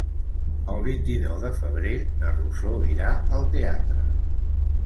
El vint-i-nou de febrer na Rosó irà al teatre.